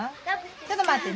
ちょっと待ってね。